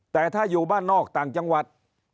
แต่ถ้าอยู่บ้านนอกต่างจังหวัด